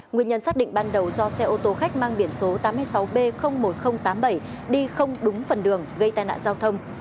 nguyên nhân xác định ban đầu do xe ô tô khách mang biển số tám mươi sáu b một nghìn tám mươi bảy đi không đúng phần đường gây tai nạn giao thông